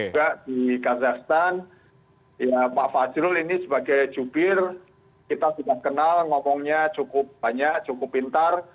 juga di kazakhstan ya pak fajrul ini sebagai jubir kita sudah kenal ngomongnya cukup banyak cukup pintar